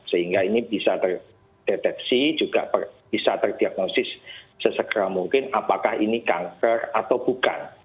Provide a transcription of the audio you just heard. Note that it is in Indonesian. sehingga ini bisa terdeteksi juga bisa terdiagnosis sesegera mungkin apakah ini kanker atau bukan